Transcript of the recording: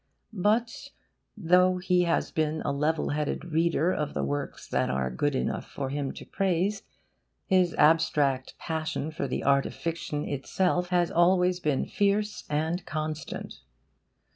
But, though he has been a level headed reader of the works that are good enough for him to praise, his abstract passion for the art of fiction itself has always been fierce and constant.